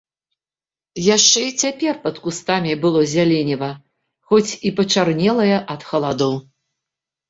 Яшчэ і цяпер пад кустамі было зяленіва, хоць і пачарнелае ад халадоў.